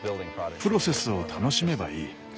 プロセスを楽しめばいい。